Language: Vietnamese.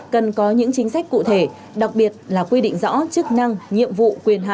cần có những chính sách cụ thể đặc biệt là quy định rõ chức năng nhiệm vụ quyền hạn